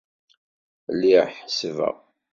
Lliɣ ḥessbeɣ.